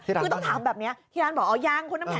คือต้องถามแบบนี้ที่ร้านบอกอ๋อยังคุณน้ำแข